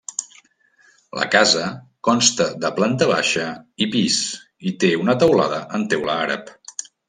La casa consta de planta baixa i pis, i té una teulada en teula àrab.